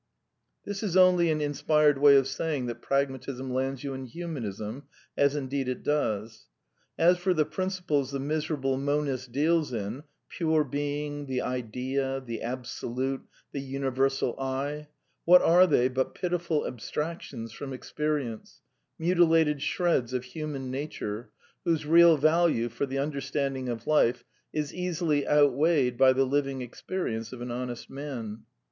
This is only an in spired way of saying that Pragmatism lands you in Humanism, as indeed it does. As for the principles the miserable monist deals in — "Pure Being, the Idea, the Absolute, the Universal I "— what are they " but pitiful abstractions from experience, mutilated shreds of human nature, whose real value for the understanding of life is easily outweighed by the living experience of an honest man?"